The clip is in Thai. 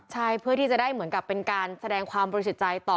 ใช่เพื่อที่จะได้เหมือนกับเป็นการแสดงความบริสุทธิ์ใจต่อ